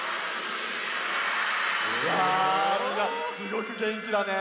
みんなすごくげんきだね。